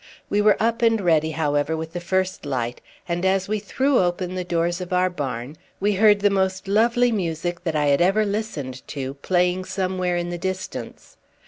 We were up and ready, however, with the first light, and as we threw open the doors of our barn we heard the most lovely music that I had ever listened to playing somewhere in the distance.